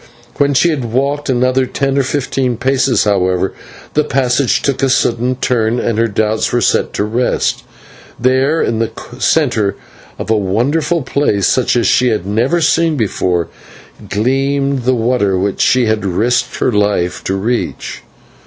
When she had walked another ten or fifteen paces, however, the passage took a sudden turn and her doubts were set at rest, for there in the centre of a wonderful place, such as she had never seen before, gleamed the water which she had risked her life to reach.